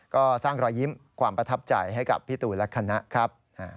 ก็สร้างรอยยิ้มความประทับใจให้กับพี่ตูนและคณะครับ